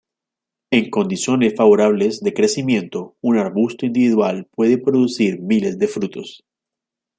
En condiciones favorables de crecimiento, un arbusto individual puede producir miles de frutos.